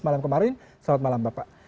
malam kemarin selamat malam bapak